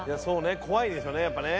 ・怖いですよねやっぱね。